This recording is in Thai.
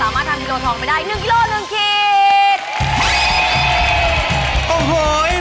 สามารถทำทีโลทอมไปได้๑ฮิลโฮ๑คีก